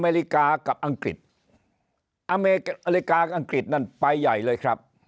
นาฬิกากับอังกฤษอเมริกากับอังกฤษนั่นไปใหญ่เลยครับ